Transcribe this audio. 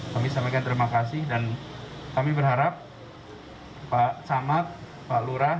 kami sampaikan terima kasih dan kami berharap pak camat pak lurah